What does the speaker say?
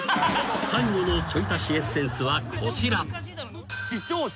［最後のちょい足しエッセンスはこちら］